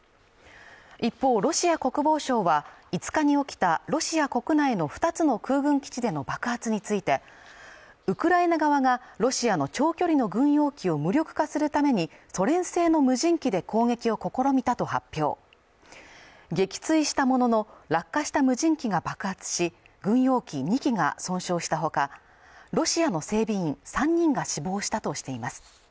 一方ロシア国防省は５日に起きたロシア国内の２つの空軍基地での爆発についてウクライナ側がロシアの長距離の軍用機を無力化するためにソ連製の無人機で攻撃を試みたと発表撃墜したものの落下した無人機が爆発し軍用機２機が損傷したほかロシアの整備員３人が死亡したとしています